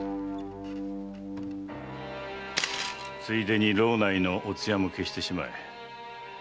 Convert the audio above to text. ついでに牢内のおつやも消してしまえ。